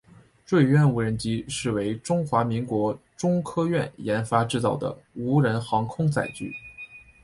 锐鸢无人机是为中华民国中科院研发制造的无人航空载具。